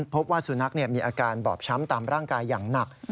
พบว่าสุนัขมีอาการบอบช้ำตามร่างกายอย่างหนัก